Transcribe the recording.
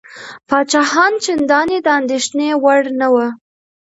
پاچاهان چنداني د اندېښنې وړ نه وه.